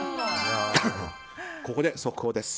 ここで速報です。